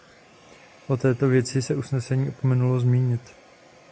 O této věci se usnesení opomenulo zmínit.